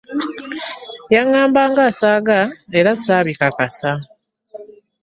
Yaŋŋamba ng'asaaga era ssaabikakasa.